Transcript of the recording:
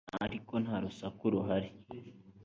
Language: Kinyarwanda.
ariko nta rusaku ruhari